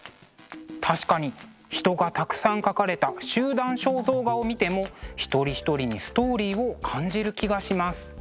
確かに人がたくさん描かれた集団肖像画を見ても一人一人にストーリーを感じる気がします。